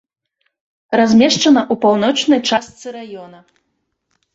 Размешчана ў паўночнай частцы раёна.